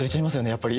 やっぱり。